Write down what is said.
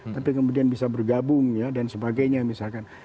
tapi kemudian bisa bergabung ya dan sebagainya misalkan